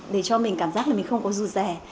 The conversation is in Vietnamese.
để cho mình cảm giác là mình không có dù rẻ